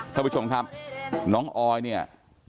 ท่านผู้ชมครับน้องออยเนี่ย